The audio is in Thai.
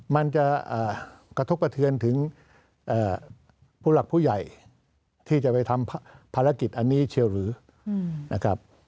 มันจะกระทบกระเทือนถึงผู้หลักผู้ใหญ่ที่จะไปทำภารกิจอันนี้เชียวหรือนะครับ